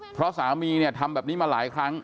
เพราะสามีเนี่ยทำแบบนี้มาหลายครั้ง